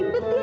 ribet dia ya